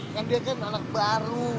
kan dia kan anak baru